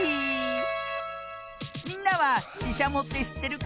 みんなはししゃもってしってるかな？